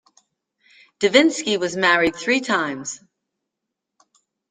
Divinsky was married three times.